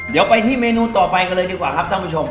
เดี๋ยวไปที่เมนูต่อไปกันเลยดีกว่าครับท่านผู้ชม